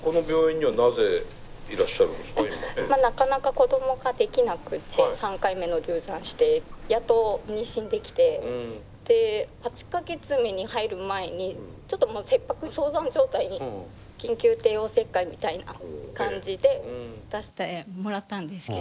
なかなか子供ができなくって３回目の流産してやっと妊娠できてで８か月目に入る前にちょっと切迫早産状態に緊急帝王切開みたいな感じで出してもらったんですけど。